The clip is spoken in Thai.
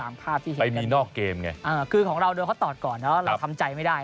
ตามภาพที่เห็นกันเลยคือของเราเนี่ยเขาตอบก่อนนะครับเราทำใจไม่ได้